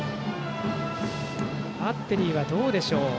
バッテリーは、どうでしょう。